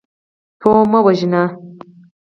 پوه مه وژنئ.